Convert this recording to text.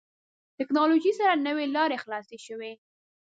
ټکنالوژي سره نوې لارې خلاصې شوې.